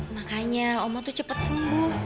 makanya omo tuh cepat sembuh